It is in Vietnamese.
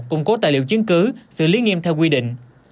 củng cố tài liệu chứng cứ xử lý nghiêm theo quy định